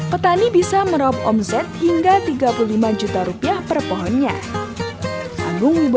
petani bisa meraup omset hingga tiga puluh lima juta rupiah per pohonnya